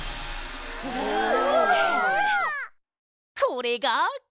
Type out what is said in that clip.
これが！